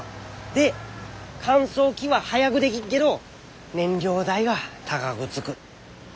で乾燥機は早ぐでぎっけど燃料代が高ぐつく。